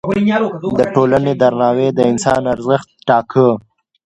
د ټولنې درناوی د انسان ارزښت ټاکه.